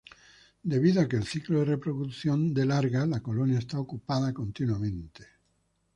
Debido a que el ciclo de reproducción de larga, la colonia está ocupada continuamente.